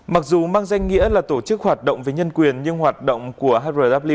mặc dù mang danh nghĩa là tổ chức hoạt động với nhân quyền nhưng hoạt động của hrw thể hiện ý đồ động cơ chính trị